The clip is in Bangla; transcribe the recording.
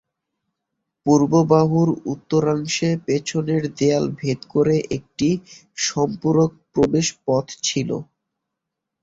পূর্ব বাহুর উত্তরাংশে পেছনের দেয়াল ভেদ করে একটি সম্পূরক প্রবেশ পথ ছিলো।